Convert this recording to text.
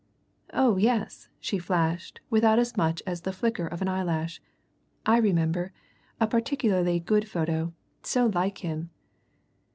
"Oh yes!" she flashed, without as much as the flicker of an eyelash. "I remember a particularly good photo. So like him!"